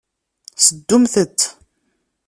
Seddumt-t.